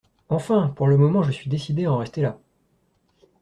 Enfin ! pour le moment, je suis décidée à en rester là !